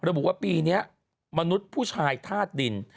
ระบุว่าปีนี้มนุษย์ผู้ชายธาตุดิน